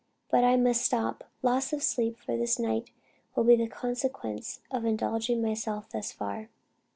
But I must stop. Loss of sleep for this night will be the consequence of indulging myself thus far."